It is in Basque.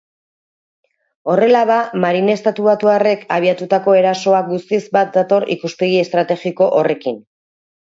Horrela ba, marine estatubatuarrek abiatutako erasoa guztiz bat dator ikuspegi estrategiko horrekin.